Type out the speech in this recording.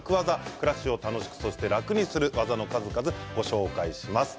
暮らしを楽しくそして楽にする技の数々をご紹介します。